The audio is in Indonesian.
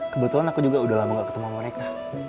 kebetulan aku juga udah lama gak ketemu mereka